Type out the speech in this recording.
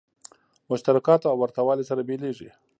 مشترکاتو او ورته والو سره بېلېږي.